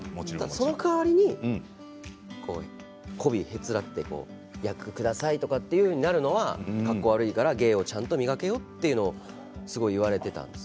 その代わりに、こびへつらって役をくださいっていうふうになるのはかっこ悪いからちゃんと、芸を磨けよっていわれていたんです。